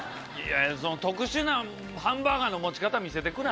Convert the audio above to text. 特殊なハンバーガーの持ち方、見せてくるな。